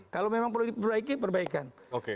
kalau memang perlu diperbaiki perbaikan